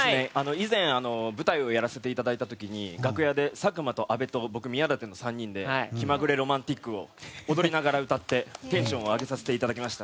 以前、舞台をやらせていただいた時楽屋で佐久間と阿部と僕の３人で「気まぐれロマンティック」を踊りながら歌ってテンション上げさせていただきました。